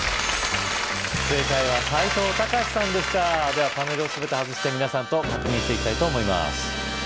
正解は齋藤孝さんでしたではパネルをすべて外して皆さんと確認していきたいと思います